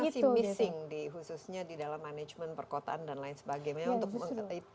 tapi apa yang masih missing di khususnya di dalam manajemen perkotaan dan lain sebagainya